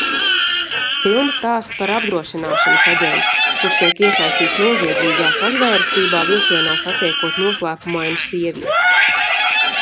Filma stāsta par apdrošināšanas aģentu, kurš tiek iesaistīts noziedzīgā sazvērestībā, vilcienā satiekot noslēpumainu sievieti.